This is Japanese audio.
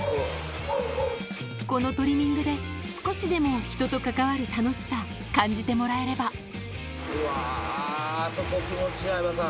このトリミングで少しでも人と関わる楽しさ感じてもらえればうわ。